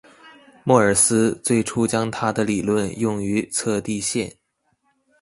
莫尔斯最初将他的理论用于测地线。